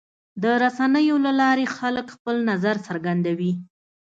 د رسنیو له لارې خلک خپل نظر څرګندوي.